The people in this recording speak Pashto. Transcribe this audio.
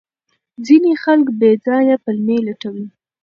ځینې خلک بې ځایه پلمې لټوي.